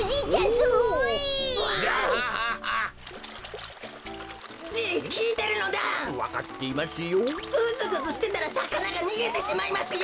ぐずぐずしてたらさかながにげてしまいますよ！